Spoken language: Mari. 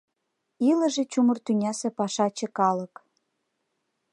Илыже чумыр тӱнясе пашаче калык!